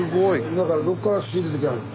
だからどっから仕入れてきはる？